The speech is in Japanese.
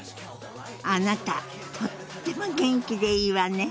あなたとっても元気でいいわね！